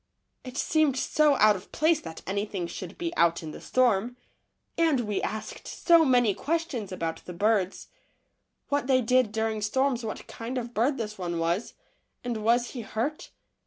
It seemed so out of place that anything should be out in the storm, and we asked so many questions about the birds : what they did during storms, what kind of a bird this one was, and was he hurt?